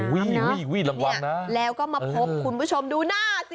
วี่รางวัลนะแล้วก็มาพบคุณผู้ชมดูหน้าสิ